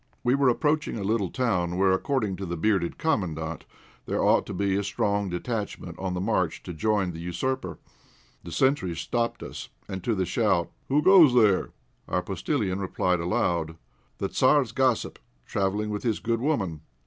We were approaching a little town where, according to the bearded Commandant, there ought to be a strong detachment on the march to join the usurper. The sentries stopped us, and to the shout, "Who goes there?" our postillion replied aloud "The Tzar's gossip, travelling with his good woman."